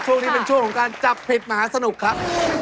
ช่วงนี้เป็นช่วงของการจับผิดมหาสนุกครับ